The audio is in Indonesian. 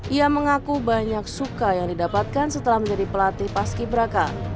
ia mengaku banyak suka yang didapatkan setelah menjadi pelatih paski braka